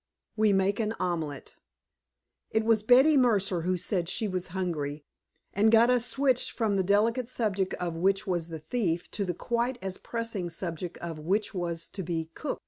WE MAKE AN OMELET It was Betty Mercer who said she was hungry, and got us switched from the delicate subject of which was the thief to the quite as pressing subject of which was to be cook.